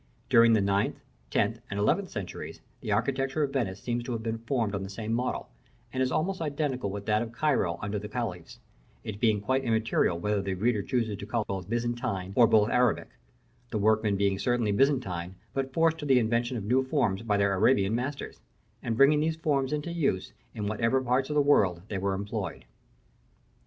During the ninth, tenth, and eleventh centuries, the architecture of Venice seems to have been formed on the same model, and is almost identical with that of Cairo under the caliphs, it being quite immaterial whether the reader chooses to call both Byzantine or both Arabic; the workmen being certainly Byzantine, but forced to the invention of new forms by their Arabian masters, and bringing these forms into use in whatever other parts of the world they were employed.